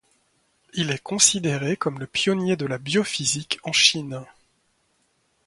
Il est considéré comme le pionnier de la biophysique en Chine.